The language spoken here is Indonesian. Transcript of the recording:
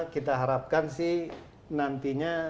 kita harapkan sih nantinya